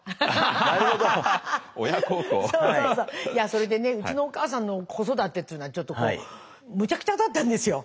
それでねうちのお母さんの子育てっていうのはむちゃくちゃだったんですよ。